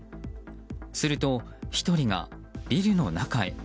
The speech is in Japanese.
すると、１人がビルの中へ。